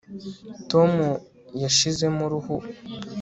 tom yashizemo uruhu